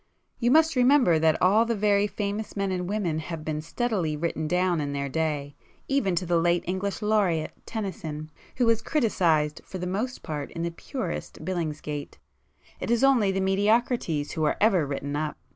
You must remember that all the very famous men and women have been steadily 'written down' in their day, even to the late English Laureate, Tennyson, who was 'criticized' for the most part in the purest Billingsgate,—it is only the mediocrities who are ever 'written up.